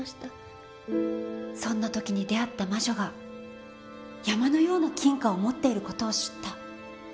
そんな時に出会った魔女が山のような金貨を持っている事を知った。